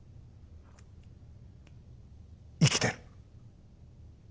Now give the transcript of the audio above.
生きてる。